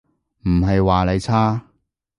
唔係話你差